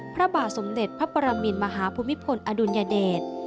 พระบาทสมเด็จพระปรมินมหาภูมิพลอดุลยเดช